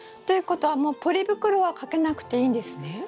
ということはもうポリ袋はかけなくていいんですね？